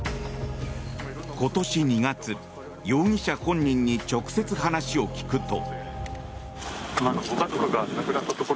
今年２月容疑者本人に直接話を聞くと。